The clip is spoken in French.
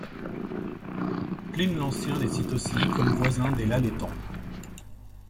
Pline l'Ancien les cite aussi, comme voisins des Laletans.